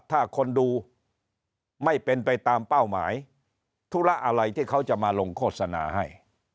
ถ้าคนดูไม่เป็นไปตามเป้าหมายธุระอะไรที่เขาจะมาลงโฆษณาให้